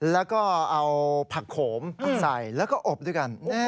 แล้วก็เอาผักโขมใส่แล้วก็อบด้วยกัน